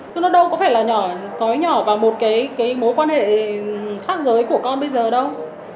chứ nó đâu có phải là nhỏ cói nhỏ và một cái mối quan hệ khác giới của con bây giờ đâu